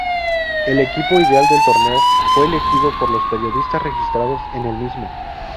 El equipo ideal del torneo fue elegido por los periodistas registrados en el mismo.